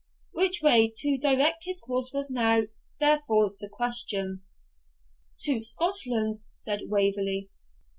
Which way to direct his course was now, therefore, the question. 'To Scotland,' said Waverley.